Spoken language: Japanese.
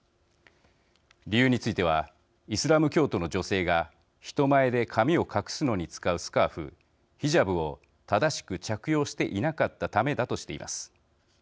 理由についてはイスラム教徒の女性が人前で髪を隠すのに使うスカーフヒジャブを正しく着用していなかったためだとしています。